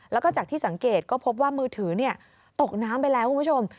แล้วก็จากที่สังเกตก็พบว่ามือถือตกน้ำไปแล้วคุณผู้ชม